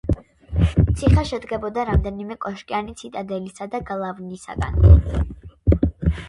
ციხე შედგებოდა რამდენიმე კოშკიანი ციტადელისა და გალავნისაგან.